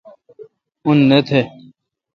ان نہ تھ۔